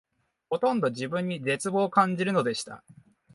ほとんど自分に絶望を感じるのでした